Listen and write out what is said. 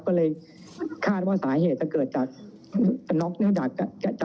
ก็เลยคาดว่าสาเหตุจะเกิดจากจะน็อกเนื้อจากการเสพยาครับ